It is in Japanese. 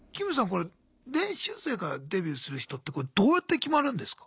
これ練習生からデビューする人ってどうやって決まるんですか？